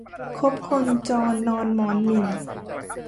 คบคนจรนอนหมอนหมิ่น